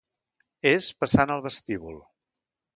És passant el vestíbul.